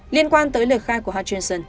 liên quan tới lời khai của hutchinson